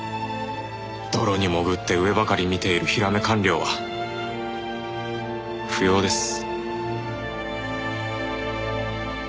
泥に潜って上ばかり見ているヒラメ官僚は不要です。